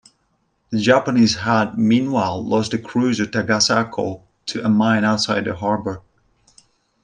The Japanese had meanwhile lost the cruiser "Takasago" to a mine outside the harbor.